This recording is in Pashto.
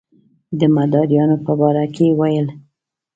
د مداریانو په باره کې یې ویل.